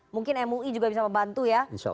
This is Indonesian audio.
mungkin mui juga bisa membantu ya